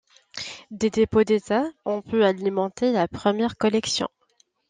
Des dépôts d'État ont pu alimenter la première collection.